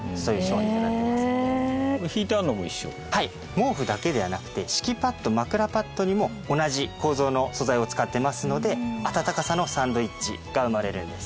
毛布だけではなくて敷きパッド・枕パッドにも同じ構造の素材を使っていますので暖かさのサンドイッチが生まれるんです。